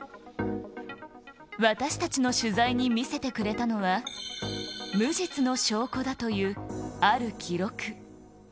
私たちの取材に見せてくれたのは、無実の証拠だというある記録。